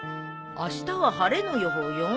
あしたは晴れの予報よ。